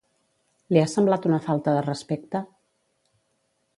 Li ha semblat una falta de respecte?